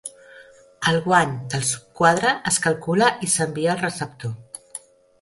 El guany del subquadre es calcula i s'envia al receptor.